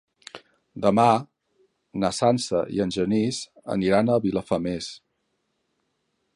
Demà na Sança i en Genís aniran a Vilafamés.